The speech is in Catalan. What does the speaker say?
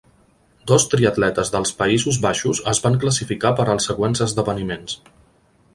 Dos triatletes dels Països Baixos es van classificar per als següents esdeveniments.